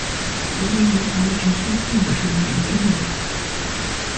梳棉棉条的直径并不是完全均匀的。